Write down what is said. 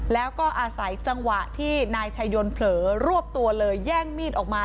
แล้วก็อาศัยจังหวะที่นายชายนเผลอรวบตัวเลยแย่งมีดออกมา